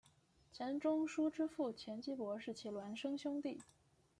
钱钟书之父钱基博是其孪生兄弟。